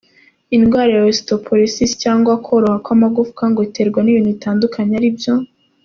Indwara ya Osteoporosis cyangwa koroha kw’amagufwa ngo iterwa n’ibintu bitandukanye ari byo:.